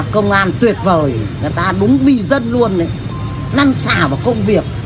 công an tuyệt vời người ta đúng vì dân luôn năn xả vào công việc